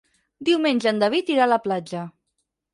Diumenge en David irà a la platja.